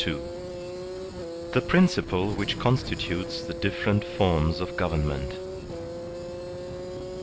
The Principle Which Constitutes the Different Forms OF Government.